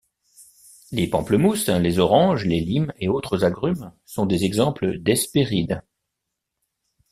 Les pamplemousses, les oranges, les limes et autres agrumes sont des exemples d'hespérides.